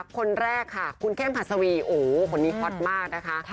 คนแรกคุณเคมผัดศวีโอ้โฮคนนี้ฮอตมากนะคะ